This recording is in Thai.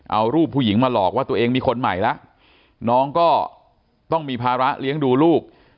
เอารูปผู้หญิงมาหลอกว่าตัวเองมีคนใหม่แล้วน้องก็ต้องมีภาระเลี้ยงดูลูก